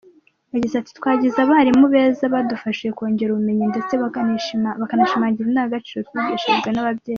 Yagize ati: “Twagize abarimu beza badufashije kongera ubumenyi ndetse bakanashimangira indangagaciro twigishijwe n’ababyeyi.